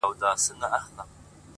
• په سیالانو کي ناسیاله وه خوږ من وه,